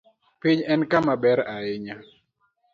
Piny en kama ber ahinya.